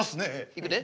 いくで。